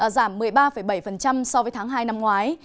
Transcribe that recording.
giảm một mươi ba bảy so với tháng hai năm ngoái